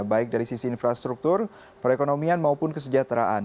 baik dari sisi infrastruktur perekonomian maupun kesejahteraan